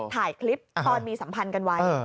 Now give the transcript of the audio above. ถ่ายคลิปตอนมีสัมพันธ์กันไว้